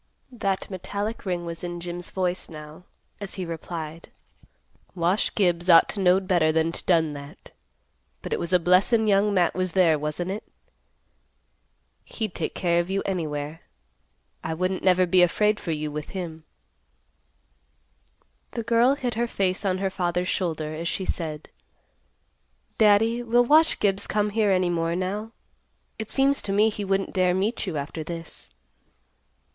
That metallic ring was in Jim's voice, now, as he replied, "Wash Gibbs ought to knowed better than to done that. But it was a blessin' Young Matt was there, wasn't it? He'd take care of you anywhere. I wouldn't never be afraid for you with him." The girl hid her face on her father's shoulder, as she said, "Daddy, will Wash Gibbs come here any more now? It seems to me he wouldn't dare meet you after this."